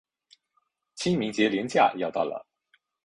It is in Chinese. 清明节连假要到了